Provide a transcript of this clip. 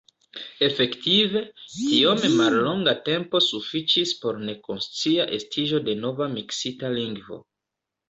Efektive, tiom mallonga tempo sufiĉis por nekonscia estiĝo de nova miksita lingvo.